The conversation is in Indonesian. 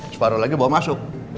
separa lagi bawa masuk